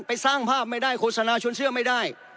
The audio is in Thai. ไปสร้างภาพไม่ได้โฆษณาชวนเชื่อไม่ได้